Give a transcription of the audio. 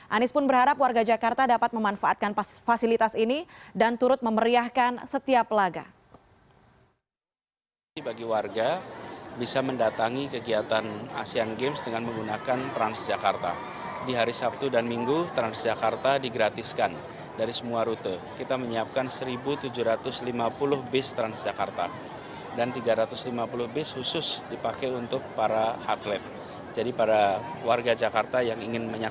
anies pun berharap warga jakarta dapat memanfaatkan fasilitas ini dan turut memeriahkan setiap pelaga